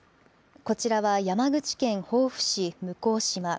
こちらは山口県防府市向島。